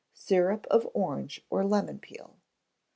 Syrup of Orange or Lemon Peel.